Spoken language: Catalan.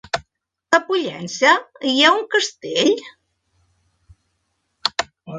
A Pollença hi ha un castell?